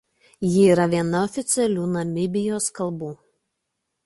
Ji yra viena oficialių Namibijos kalbų.